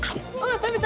食べた！